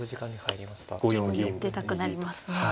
銀出たくなりますね。